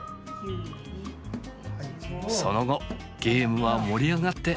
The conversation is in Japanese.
その後ゲームは盛り上がって。